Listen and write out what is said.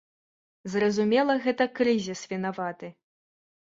Зразумела, гэта крызіс вінаваты.